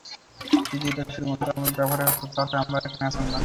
যদি এটা শুধুমাত্র আমাদের ব্যাপারে হতো, তাহলে আমরা এখানে আসতাম না।